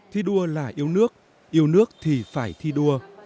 thi đua là yêu nước yêu nước thì phải thi đua